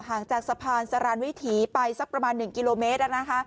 ห่างจากสะพานสรานวิถีไปสักประมาณ๑กิโลเมตร